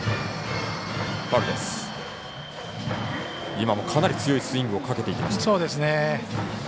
今もかなり強いスイングをかけていきました。